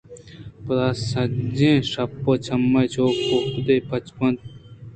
پدا سجّہیں شپ ءَ چمّے چو گُگّو ءَپچ بنت ءُ ننداں